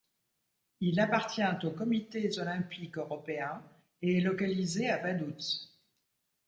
Il appartient aux Comités olympiques européens et est localisé à Vaduz.